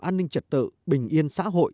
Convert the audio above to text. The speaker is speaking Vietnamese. an ninh trật tự bình yên xã hội